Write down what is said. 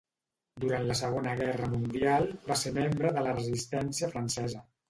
Durant la Segona Guerra Mundial va ser membre de la resistència francesa.